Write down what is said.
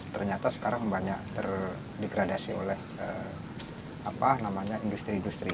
ternyata sekarang banyak terdegradasi oleh industri industri